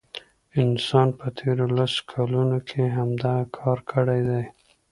انسان په تیرو لسو کلونو کې همدغه کار کړی دی.